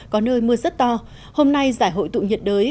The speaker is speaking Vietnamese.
có nơi mưa rất to hôm nay giải hội tụ nhiệt đới